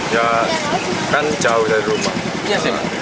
ya kan jauh dari rumah